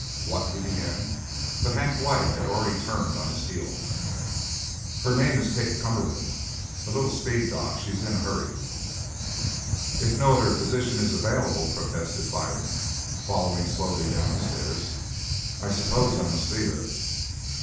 "What " he began, but Hank Dwight had already turned on his heel. "Her name is Kate Cumberland. A little speed, doc. She's in a hurry." "If no other physician is available," protested Byrne, following slowly down the stairs, "I suppose I must see her."